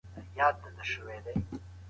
د شرعي نکاح په کولو کي انساني نسل بقاء پيدا کوي